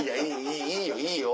いいよいいよ。